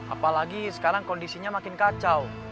apalagi sekarang kondisinya makin kacau